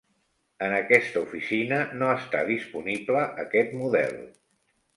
En aquesta oficina no està disponible aquest model.